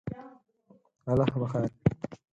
الله به خیر کړی